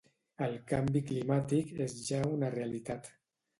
El canvi climàtic és ja una realitat.